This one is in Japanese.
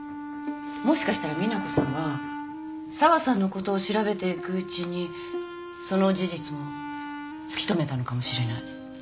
もしかしたら美奈子さんは沢さんのことを調べていくうちにその事実も突き止めたのかもしれない。